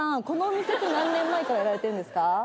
このお店って何年前からやられてるんですか？